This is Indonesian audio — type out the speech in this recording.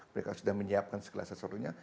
mereka sudah menyiapkan segala sesuatunya